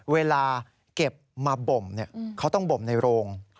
เวลาเก็บมาบ่มเขาต้องบ่มในโรง